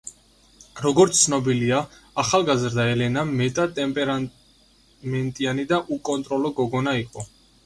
როგორც ცნობილია, ახალგაზრდა ელენა მეტად ტემპერამენტიანი და უკონტროლო გოგონა იყო.